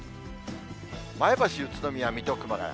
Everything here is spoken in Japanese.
前橋、宇都宮、水戸、熊谷。